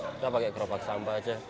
kita pakai gerobak sampah saja